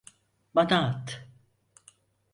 Bana at!